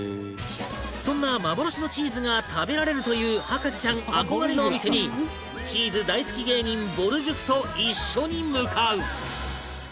そんな幻のチーズが食べられるという博士ちゃん憧れのお店にチーズ大好き芸人ぼる塾と一緒に向かう